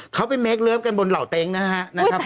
เขาไปเมคเลิฟกันบนเหล่าเต็งนะครับ